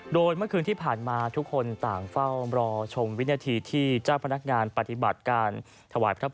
โดยเมื่อคืนที่ผ่านมาทุกคนต่างเฝ้า